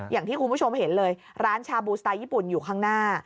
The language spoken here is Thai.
อย่างที่คุณผู้ชมเห็นเลยร้านชาบูสไตล์ญี่ปุ่นอยู่ข้างหน้า